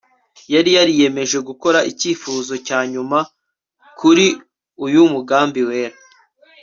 yari yariyemeje gukora icyifuzo cya nyuma kuri uyu mugambi wera